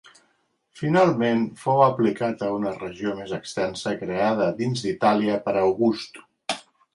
Finalment fou aplicat a una regió més extensa creada dins d'Itàlia per August.